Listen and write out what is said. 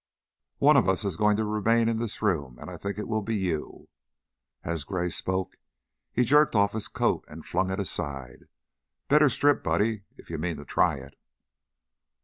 "One of us is going to remain in this room, and I think it will be you." As Gray spoke he jerked off his coat and flung it aside. "Better strip, Buddy, if you mean to try it."